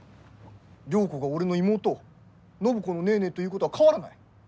良子が俺の妹暢子のネーネーということは変わらない。